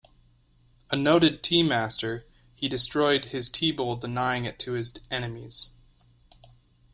A noted tea master, he destroyed his tea bowl denying it to his enemies.